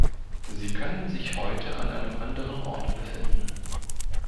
Sie können sich heute an einem anderen Ort befinden.